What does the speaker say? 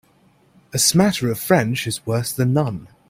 A smatter of French is worse than none.